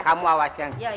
kamu awas yang kerja ya